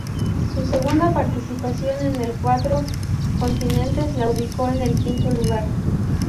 Su segunda participación en el Cuatro Continentes la ubicó en quinto lugar.